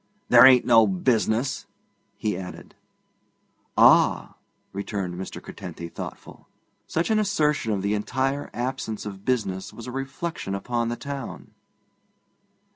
'There ain't no business!' he added. 'Ah!' returned Mr. Curtenty, thoughtful: such an assertion of the entire absence of business was a reflection upon the town.